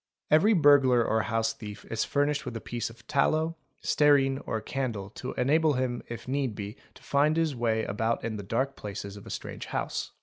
Every burglar or house thief is furnished with a piece of tallow, stearine, or candle to enable him 1 if need be to find his way about in the dark places of astrange house.